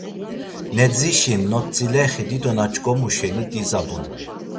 Nedzişi notzilexi dido na ç̌ǩomu şeni dizabunu.